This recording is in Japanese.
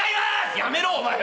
「やめろ！お前。